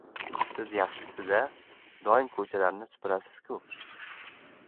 — Siz yaxshisiz-a? Doim ko‘chalarni suparasiz-ku.